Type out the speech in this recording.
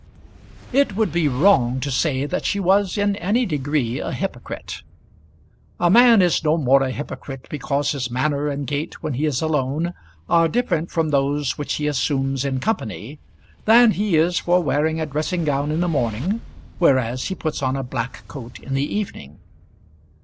It would be wrong to say that she was in any degree a hypocrite. A man is no more a hypocrite because his manner and gait when he is alone are different from those which he assumes in company, than he is for wearing a dressing gown in the morning, whereas he puts on a black coat in the evening.